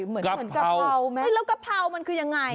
เหมือนกะเพราไหมแล้วกะเพรามันคือยังไง